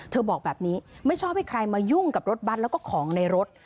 บอกแบบนี้ไม่ชอบให้ใครมายุ่งกับรถบัตรแล้วก็ของในรถ